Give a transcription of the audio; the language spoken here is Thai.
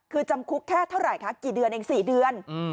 คือจำคุกแค่เท่าไหร่คะกี่เดือนเอง๔เดือน